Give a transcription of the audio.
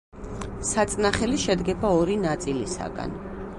საწნახელი შედგება ორი ნაწილისაგან.